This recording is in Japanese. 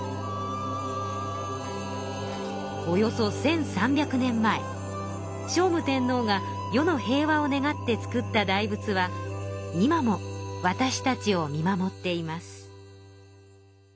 およそ１，３００年前聖武天皇が世の平和を願って造った大仏は今もわたしたちを見守っています。